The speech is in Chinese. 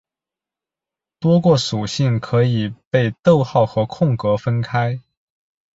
多个属性可以被逗号和空格分开。